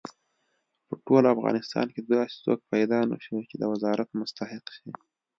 په ټول افغانستان کې داسې څوک پیدا نه شو چې د وزارت مستحق شي.